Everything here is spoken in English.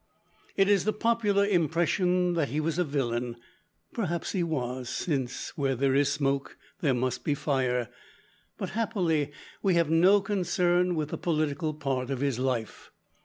It is the popular impression that he was a villain. Perhaps he was, since "where there is smoke, there must be fire," but happily we have no concern with the political part of his life.